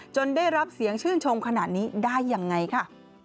ได้รับเสียงชื่นชมขนาดนี้ได้ยังไงค่ะ